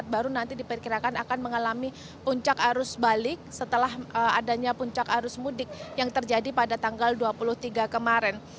baru nanti diperkirakan akan mengalami puncak arus balik setelah adanya puncak arus mudik yang terjadi pada tanggal dua puluh tiga kemarin